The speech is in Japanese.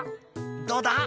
「どうだ？